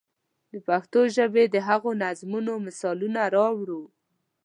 د پښتو ژبې د هغو نظمونو مثالونه راوړو.